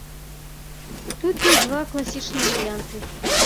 Тут ёсць два класічныя варыянты.